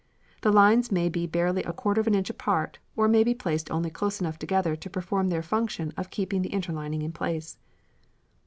The lines may be barely a quarter of an inch apart, or may be placed only close enough together to perform their function of keeping the interlining in place.